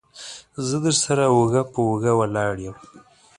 زه درسره اوږه په اوږه ولاړ يم.